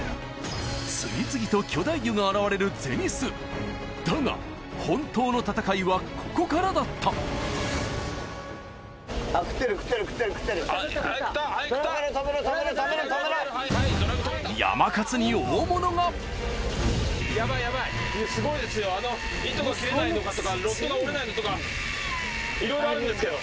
次々と巨大魚が現れる銭洲だが本当の戦いはここからだった・はい食ったはい食った・やまかつに大物が・ヤバいヤバいすごいですよ・糸が切れないのかとかロットが折れないのとかいろいろあるんですけど。